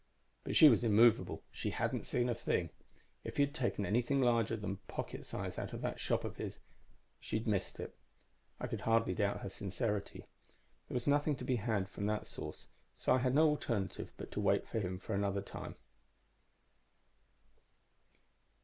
"But she was immovable; she hadn't seen a thing. If he had taken anything larger than pocket size out of that shop of his, she had missed it. I could hardly doubt her sincerity. There was nothing to be had from that source; so I had no alternative but to wait for him another time."